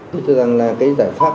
tôi nghĩ rằng là cái giải pháp